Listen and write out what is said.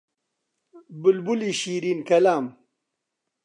بولبولی شیرین کەلام